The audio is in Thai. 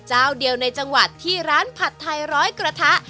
เจ้าเดียวในจังหวัดที่ร้านผัดไทยร้อยกระทะ